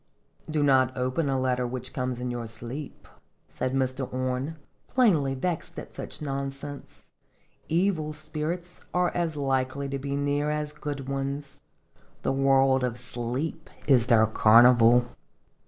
" Do not open a letter which comes in your sleep," said Mr. Orne, plainly vexed at such nonsense ;" evil spirits are as likely to be near as good ones. The world of sleep is their carnival."